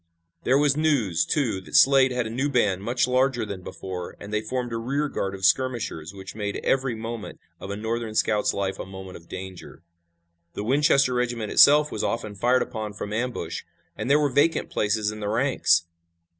There was news, too, that Slade had a new band much larger than before, and they formed a rear guard of skirmishers which made every moment of a Northern scout's life a moment of danger. The Winchester regiment itself was often fired upon from ambush, and there were vacant places in the ranks.